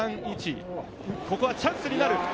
ここはチャンスになる。